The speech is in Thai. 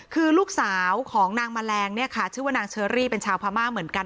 คือลูกสาวของนางแมลงเนี่ยค่ะชื่อว่านางเชอรี่เป็นชาวพม่าเหมือนกัน